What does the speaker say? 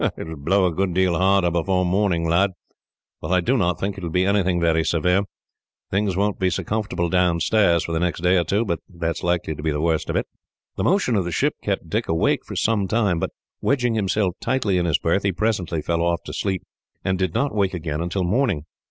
"It will blow a good deal harder before morning, lad, but I do not think it will be anything very severe. Things won't be so comfortable downstairs, for the next day or two, but that is likely to be the worst of it." The motion of the ship kept Dick awake for some time, but, wedging himself tightly in his berth, he presently fell off to sleep, and did not wake again until morning.